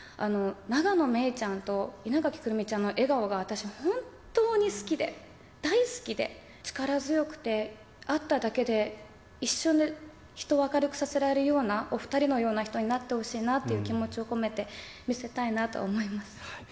永野芽郁ちゃんと、稲垣来泉ちゃんの笑顔が私、本当に好きで、大好きで、力強くて、会っただけで一瞬で人を明るくさせられるような、お２人のような人になってほしいなという気持ちを込めて、見せたいなと思います。